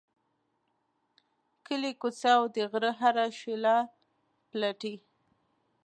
کلی، کوڅه او د غره هره شیله پلټي.